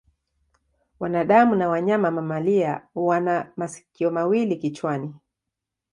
Wanadamu na wanyama mamalia wana masikio mawili kichwani.